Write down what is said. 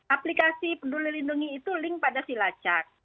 aplikasi peduli lindungi itu link pada silacak